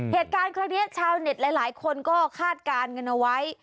เหตุการณ์ครั้งนี้ชาวเน็ตหลายคนก็คาดการณ์กันเอาไว้